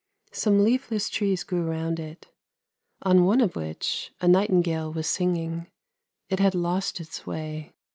Some leafless trees grew round it, on one of which a nightingale was singing; it had lost its way.